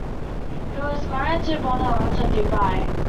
He was married to Bonalata Devi.